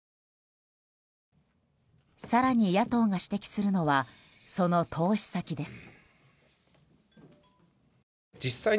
更に、野党が指摘するのはその投資先です。